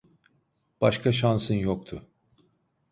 Başka şansın yoktu.